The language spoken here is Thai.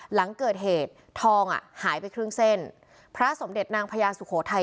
หลังเกิดเหตุทองอ่ะหายไปครึ่งเส้นพระสมเด็จนางพญาสุโขทัย